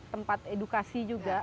tempat edukasi juga